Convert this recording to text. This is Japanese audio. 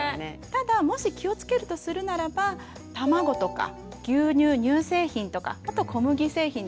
ただもし気をつけるとするならば卵とか牛乳乳製品とかあと小麦製品ですね。